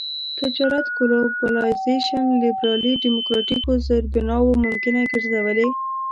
تجارت ګلوبلایزېشن لېبرالي ډيموکراټيکو زېربناوو ممکنه ګرځولي.